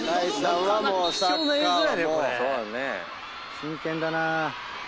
真剣だな。